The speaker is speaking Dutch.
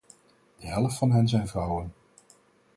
De helft van hen zijn vrouwen.